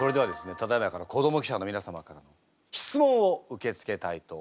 ただいまから子ども記者の皆様からの質問を受け付けたいと思います。